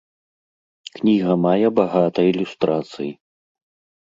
Кніга мае багата ілюстрацый.